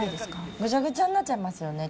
ぐしゃぐしゃになっちゃいますよね。